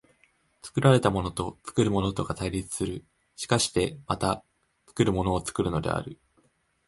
作られたものと作るものとが対立する、しかしてまた作るものを作るのである。